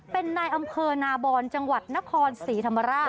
เป็นในอำเภอนาบรจังหวัดนะครศรีธรรมระ